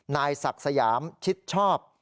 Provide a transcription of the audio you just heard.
นายศักดิ์สยามชิดชอบ